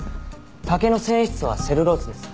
竹の繊維質はセルロースです。